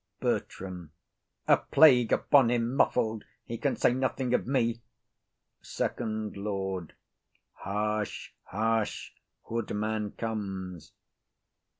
BERTRAM. A plague upon him! muffled! he can say nothing of me; hush, hush! FIRST LORD. Hoodman comes!